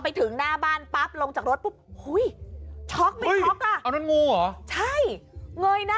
พอไปถึงหน้าบ้านปั๊บลงจากรถคุ้ยโชคไม่โชคอ่ะ